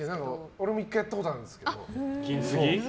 俺も１回やったことありますけど。